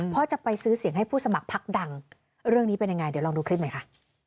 เพราะจะไปซื้อเสียงให้ผู้สมัครพักดังเรื่องนี้เป็นยังไงเดี๋ยวลองดูคลิปหน่อยค่ะ